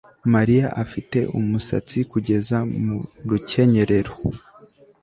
Mariya afite umusatsi kugeza mu rukenyerero